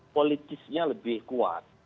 politisnya lebih kuat